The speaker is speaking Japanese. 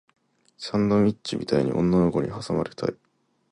サンドイッチみたいに女の子に挟まれたい